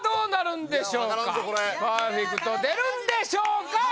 これパーフェクト出るんでしょうか？